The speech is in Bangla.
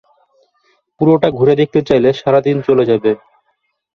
পুরোটা ঘুরে দেখতে চাইলে সারাদিন চলে যাবে।